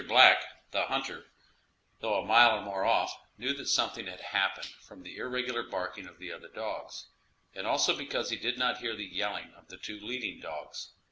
Black, the hunter, though a mile or more off, knew that something had happened from the irregular barking of the other dogs, and also because he did not hear the yelling of the two leading dogs.